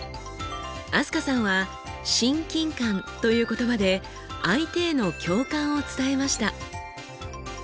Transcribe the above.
飛鳥さんは「親近感」という言葉で相手への共感を伝えました。